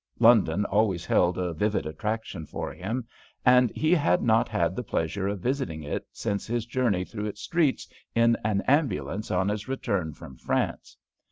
London always held a vivid attraction for him, and he had not had the pleasure of visiting it since his journey through its streets in an ambulance on his return from France.